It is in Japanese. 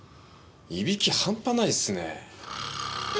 いびきハンパないっすね。